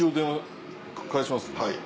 はい。